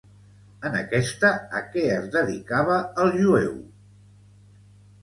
En aquesta, a què es dedicava el jueu?